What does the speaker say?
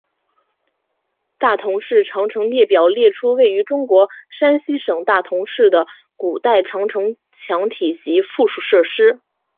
大同市长城列表列出位于中国山西省大同市的古代长城墙体及附属设施。